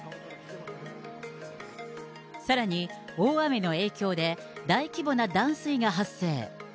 さらに大雨の影響で大規模な断水が発生。